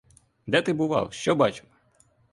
Де ти бував, що бачив?